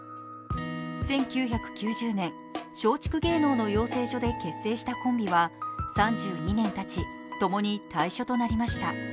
１９９０年、松竹芸能の養成所で結成したコンビは３２年たち、共に退所となりました。